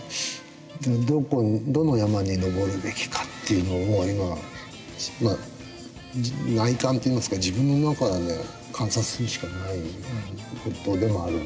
どの山に登るべきかというのを今内観といいますか自分の中で観察するしかない事でもあるんですけど。